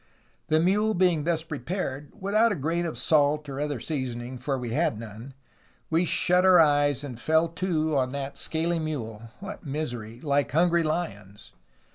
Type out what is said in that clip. "The mule being thus prepared, without a grain of salt or other seasoning — for we had none — we shut our eyes and fell to on that scaly mule (what misery!) like hungry lions.